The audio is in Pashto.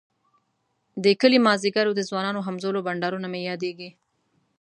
د کلي ماذيګر او د ځوانانو همزولو بنډارونه مي ياديږی